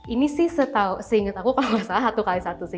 ini sih seinget aku kalau gak salah satu kali satu sih